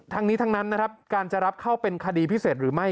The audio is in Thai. ทั้งนี้ทั้งนั้นนะครับการจะรับเข้าเป็นคดีพิเศษหรือไม่